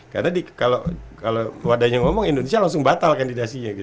karena kalau wadahnya ngomong indonesia langsung batal kandidasinya